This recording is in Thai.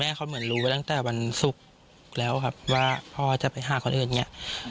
แม่เขาเหมือนรู้ไว้ตั้งแต่วันศุกร์แล้วครับว่าพ่อจะไปฆ่าคนอื่นเนี่ย